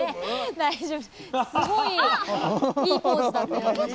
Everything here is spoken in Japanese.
大丈夫。